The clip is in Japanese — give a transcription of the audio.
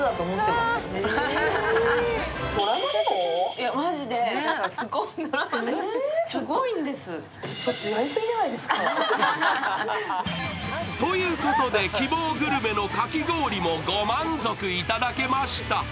いや、マジで、すごいんです。ということで、希望グルメのかき氷もご満足いただけました。